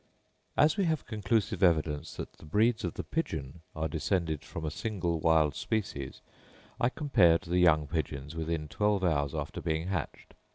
As we have conclusive evidence that the breeds of the Pigeon are descended from a single wild species, I compared the young pigeons within twelve hours after being hatched.